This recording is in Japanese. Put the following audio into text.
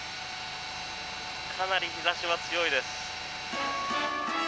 かなり日差しは強いです。